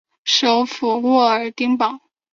首府沃尔丁堡。